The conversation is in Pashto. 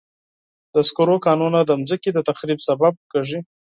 د سکرو کانونه د مځکې د تخریب سبب کېږي.